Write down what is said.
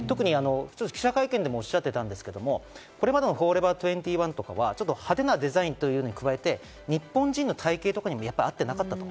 記者会見でもおっしゃっていたんですけど、これまでのＦＯＲＥＶＥＲ２１とかは派手なデザインというのに加えて、日本人の体型とかにも合ってなかったと。